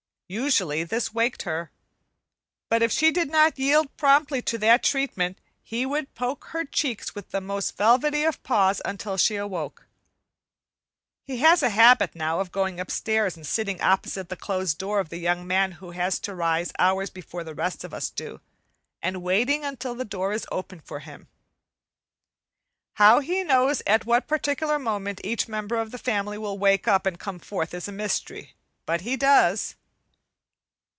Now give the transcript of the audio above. Usually this waked her, but if she did not yield promptly to that treatment he would poke her cheeks with the most velvety of paws until she awoke. He has a habit now of going upstairs and sitting opposite the closed door of the young man who has to rise hours before the rest of us do, and waiting until the door is opened for him. How he knows at what particular moment each member of the family will wake up and come forth is a mystery, but he does.